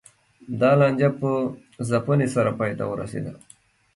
دا لانجه په ځپنې سره پای ته ورسېده.